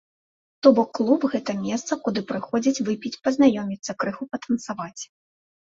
То бок, клуб, гэта месца, куды прыходзяць выпіць, пазнаёміцца, крыху патанцаваць.